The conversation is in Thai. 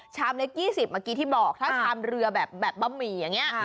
เล็ก๒๐เมื่อกี้ที่บอกถ้าชามเรือแบบบะหมี่อย่างนี้